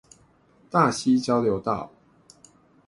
大溪交流道